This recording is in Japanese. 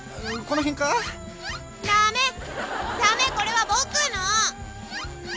ダメ！